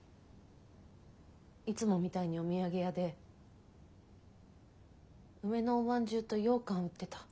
いつもみたいにお土産屋で梅のおまんじゅうとようかん売ってた。